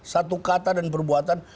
satu kata dan perbuatan